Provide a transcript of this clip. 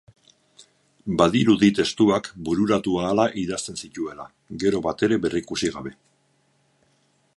Badirudi testuak bururatu ahala idazten zituela, gero batere berrikusi gabe.